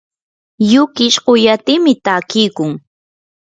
yukish quyatimi takiykun.